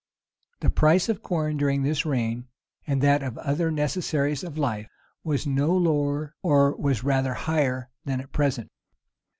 The price of corn during this reign, and that of the other necessaries of life, was no lower, or was rather higher, than at present.